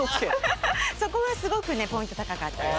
そこはすごくねポイント高かったです。